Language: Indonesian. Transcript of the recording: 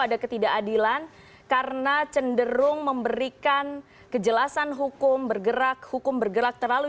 ada ketidakadilan karena cenderung memberikan kejelasan hukum bergerak hukum bergerak terlalu